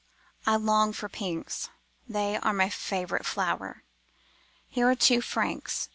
I long for pinks; they are my favourite flower. Here are two francs.